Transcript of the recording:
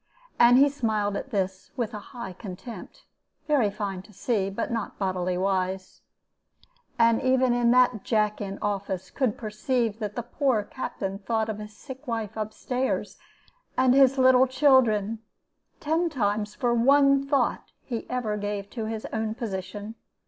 And he smiled at this, with a high contempt, very fine to see, but not bodily wise. But even that jack in office could perceive that the poor Captain thought of his sick wife up stairs, and his little children, ten times for one thought he ever gave to his own position.